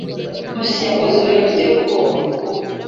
Nkusi yakoze ibintu biteye ubwoba.